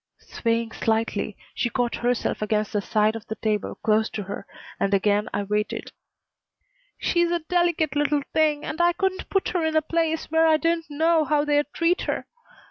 Swaying slightly, she caught herself against the side of the table close to her, and again I waited. "She's a delicate little thing, and I couldn't put her in a place where I didn't know how they'd treat her.